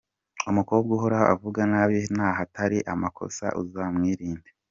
Umukobwa uhora avuga nabi n'ahatari amakosa uzamwirinde.